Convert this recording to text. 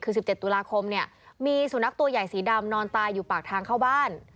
คือ๑๗ตุลาคมเนี่ยมีสุนัขตัวใหญ่สีดำนอนตายอยู่ปากทางเข้าบ้าน